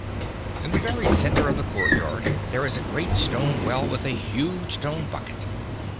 In the very center of the courtyard there is a great stone well with a huge stone bucket.